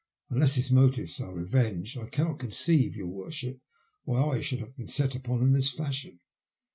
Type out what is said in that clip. Unless his motives are revenge, I cannot conceive, your worship, why I should have been set upon in this fashion."